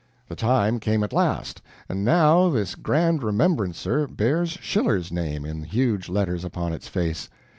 The time came at last, and now this grand remembrancer bears Schiller's name in huge letters upon its face.